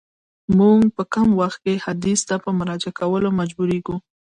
موږ په کوم وخت کي حدیث ته په مراجعه کولو مجبوریږو؟